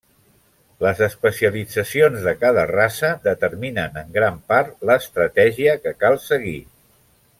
Les especialitzacions de cada raça determinen en gran part l'estratègia que cal seguir.